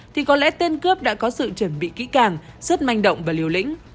thì có lẽ tên cướp đã có sự chuẩn bị kỹ càng rất manh động và liều lĩnh